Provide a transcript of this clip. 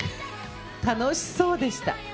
楽しそうでした。